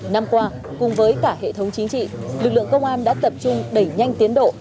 năm qua cùng với cả hệ thống chính trị lực lượng công an đã tập trung đẩy nhanh tiến độ